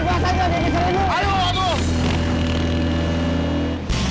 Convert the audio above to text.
bah buah buah oi